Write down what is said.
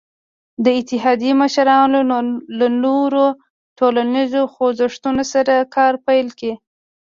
د اتحادیې مشرانو له نورو ټولنیزو خوځښتونو سره کار پیل کړ.